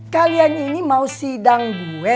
kalian ini mau sidang gue